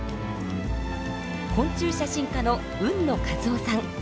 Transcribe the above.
昆虫写真家の海野和男さん。